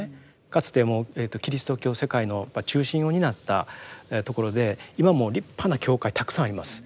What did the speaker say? かつてもうキリスト教世界の中心を担ったところで今も立派な教会たくさんあります。